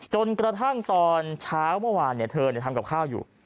จนกระทั่งตอนเช้าเมื่อวานเธอทำกับข้าวอยู่